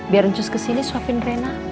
biar ncus kesini suapin rena